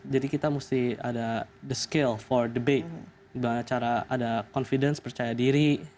jadi kita mesti ada the skill for debate cara ada confidence percaya diri